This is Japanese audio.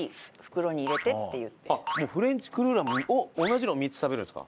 フレンチクルーラー同じのを３つ食べるんですか？